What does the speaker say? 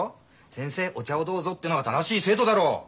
先生お茶をどうぞってのが正しい生徒だろ。